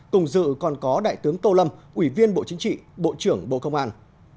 cùng dự còn có đại tướng tô lâm ủy viên bộ chính trị bộ trưởng bộ công an